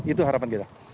itu harapan kita